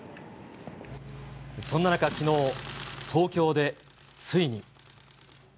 そんな中、きのう、東京でついに。